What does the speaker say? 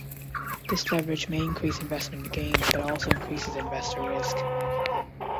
This leverage may increase investment gains but also increases investor risk.